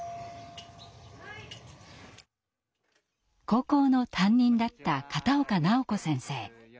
高校の担任だった片岡直子先生。